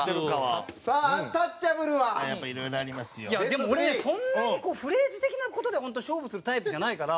でも俺そんなにフレーズ的な事で勝負するタイプじゃないから。